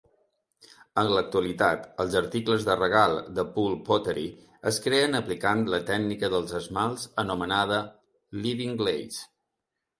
En l'actualitat, els articles de regal de Poole Pottery es creen aplicant la tècnica dels esmalts anomenada "Living Glaze".